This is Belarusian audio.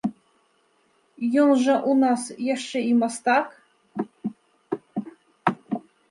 Ён жа ў нас яшчэ і мастак!